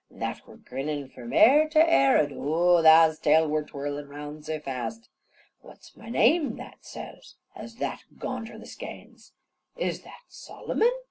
That were grinnin' from are to are, an' Oo! tha's tail were twirlin' round so fast. "What's my name?" that says, as that gonned her the skeins. "Is that Solomon?"